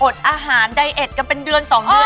ดอาหารไดเอ็ดกันเป็นเดือน๒เดือน